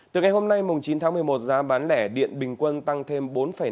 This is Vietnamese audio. từ ngày hôm nay chín tháng một mươi một giá bán lẻ điện bình quân tăng thêm bốn năm